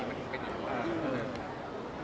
มันเป็นอย่างไร